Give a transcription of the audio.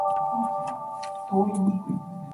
認得出係化妝，認唔出係喬妝